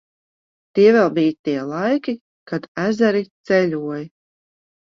Tie vēl bija tie laiki, kad ezeri ceļoja.